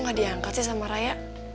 gak diangkat sih sama raya